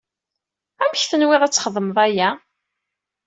Amek tenwiḍ ad txedmeḍ aya?